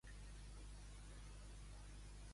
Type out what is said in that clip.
En segon lloc, quina obra fa pensar que Urtzi era un déu?